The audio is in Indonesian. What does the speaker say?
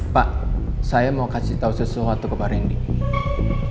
pak saya mau kasih tau sesuatu ke pak rendy